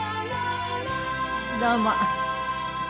どうも。